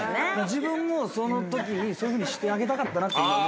自分もそのときにそういうふうにしてあげたかったなって思いました。